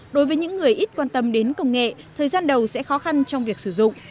đối với những người ít quan tâm đến công nghệ thời gian đầu sẽ khó khăn trong việc sử dụng